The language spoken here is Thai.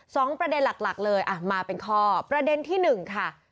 สองประเด็นหลักหลักเลยอ่ะมาเป็นข้อประเด็นที่หนึ่งค่ะ